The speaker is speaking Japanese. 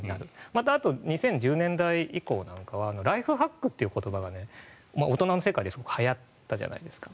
また、あと２０１０年代以降なんかはライフハックという言葉が大人の世界ではやったじゃないですか。